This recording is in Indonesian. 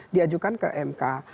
diajukan ke mk